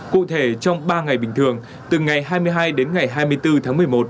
cụ thể trong ba ngày bình thường từ ngày hai mươi hai đến ngày hai mươi bốn tháng một mươi một